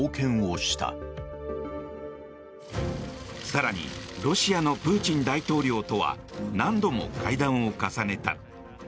更にロシアのプーチン大統領とは何度も会談を重ねた。